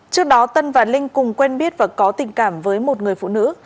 trước đó tân và linh cùng quen biết và có tình cảm với một người phụ nữ